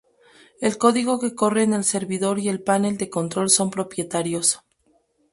El código que corre en el servidor y el panel de control son propietarios.